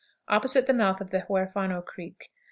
Opposite the mouth of the Huerfano Creek.